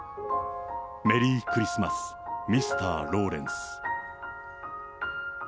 メリークリスマス・ミスター・ローレンス。